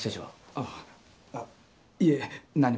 あっあっいえ何も。